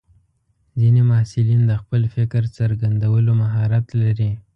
ځینې محصلین د خپل فکر څرګندولو مهارت لري.